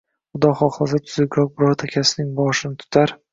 Xudo xohlasa, tuzukroq birorta kasbning boshini tutar.